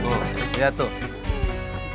oh lihat tuh